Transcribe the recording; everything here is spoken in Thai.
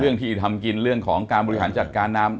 ที่ทำกินเรื่องของการบริหารจัดการน้ำ